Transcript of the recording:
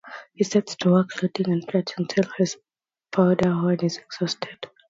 He sets to work loading and firing till his powder-horn is exhausted.